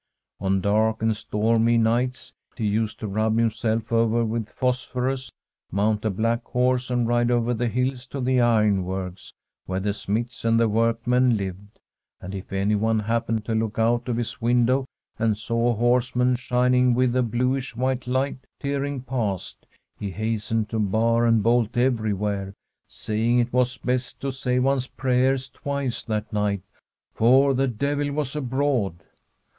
On dark and stormy nights he used to rub himself over with phosphorus, mount a black horse, and ride over the hills to the ironworks, where the smiths and the workmen lived ; and if anyone happened to look out of his window and saw a horseman shin ing with a bluish white light tearing past, he hastened to bar and bolt everywhere, saying it was best to say one's prayers twice that night, for the devil was abroad.